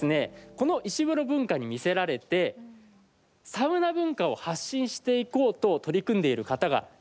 この石風呂文化に魅せられてサウナ文化を発信していこうと取り組んでいる方がいます。